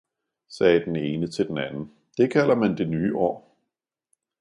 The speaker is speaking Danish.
sagde den ene til den anden, det kalder man det nye år!